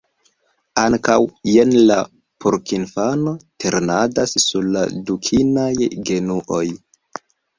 Ankaŭ, jen la porkinfano ternadas sur la dukinaj genuoj.